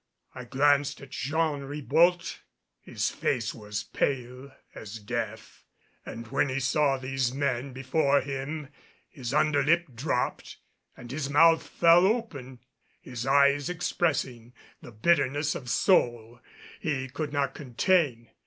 I glanced at Jean Ribault. His face was pale as death, and when he saw these men before him his under lip dropped and his mouth fell open, his eyes expressing the bitterness of soul he could not contain.